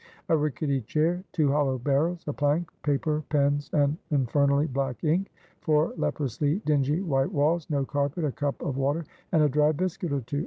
A rickety chair, two hollow barrels, a plank, paper, pens, and infernally black ink, four leprously dingy white walls, no carpet, a cup of water, and a dry biscuit or two.